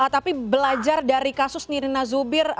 tapi belajar dari kasus mirina yubir